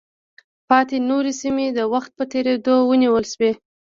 پاتې نورې سیمې د وخت په تېرېدو ونیول شوې.